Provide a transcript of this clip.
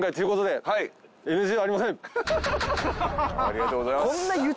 ありがとうございます。